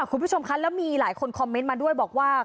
คุณผู้ชมคะแล้วมีหลายคนคอมเมนต์มาด้วยบอกว่า